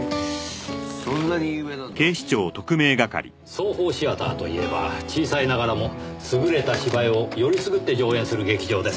ソーホー・シアターといえば小さいながらも優れた芝居をよりすぐって上演する劇場です。